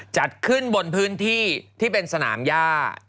จัดขึ้นบนพื้นที่ที่เป็นสนามย่า